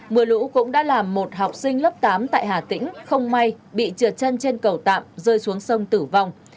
mưa lũ cũng đã làm một học sinh lớp tám tại hà tĩnh không may bị trượt chân trên cầu tạm rơi xuống sông tử vong